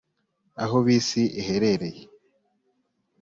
aho bisi iherereye?